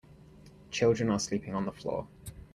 Children are sleeping on the floor.